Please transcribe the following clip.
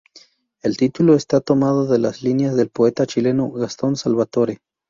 El título está tomado de las líneas del poeta chileno Gastón Salvatore.